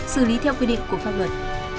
xử lý theo quy định của pháp luật